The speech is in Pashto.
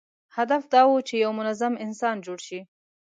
هدف دا و چې یو منظم انسان جوړ شي.